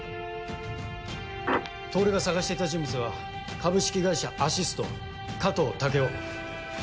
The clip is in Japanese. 透が捜していた人物は株式会社アシスト加藤武夫。